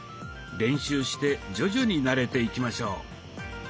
練習して徐々に慣れていきましょう。